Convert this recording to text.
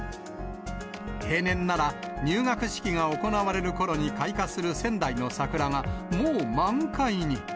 平年なら入学式が行われるころに開花する仙台の桜が、もう満開に。